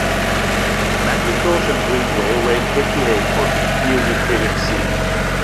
McIntosh and Greenway went head-to-head for the newly created seat.